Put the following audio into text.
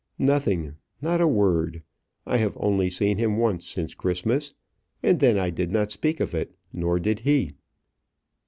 "Nothing, not a word. I have only seen him once since Christmas, and then I did not speak of it; nor did he."